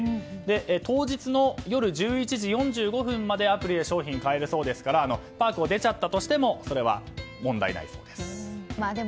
当日の夜１１時４５分までアプリで商品が買えるそうですからパークを出ちゃったとしてもそれは問題ないそうです。